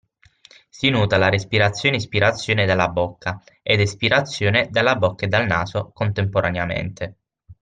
Si nota la respirazione ispirazione dalla bocca ed espirazione dalla bocca e dal naso (contemporaneamente).